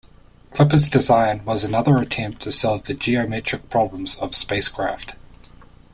Kliper's design was another attempt to solve the geometric problems of spacecraft.